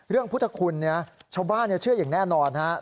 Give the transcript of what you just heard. เรื่องพุทธคุณเนี่ยชาวบ้านเนี่ยเชื่ออย่างแน่นอนนะครับ